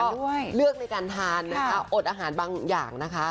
เลือกในการทานนะคะอดอาหารบางอย่างนะคะ